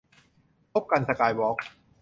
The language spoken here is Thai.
พบกัน สกายวอล์ค